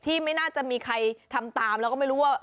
ไม่น่าจะมีใครทำตามแล้วก็ไม่รู้ว่า